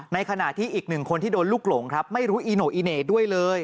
ในขณะที่อีกหนึ่งคนที่โดนลูกหลงครับไม่รู้อีโน่อีเหน่ด้วยเลย